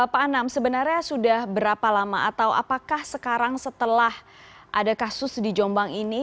pak anam sebenarnya sudah berapa lama atau apakah sekarang setelah ada kasus di jombang ini